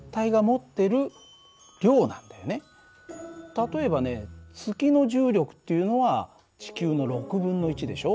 例えばね月の重力っていうのは地球の６分の１でしょ。